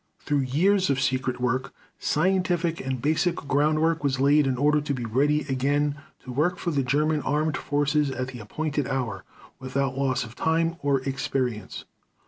Through years of secret work, scientific and basic groundwork was laid in order to be ready again to work for the German armed forces at the appointed hour, without loss of time or experience